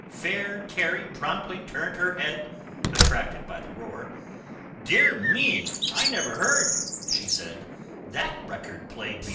Fair Carrie promptly turned her head, Attracted by the roar. "Dear me, I never heard," she said, "That record played before!"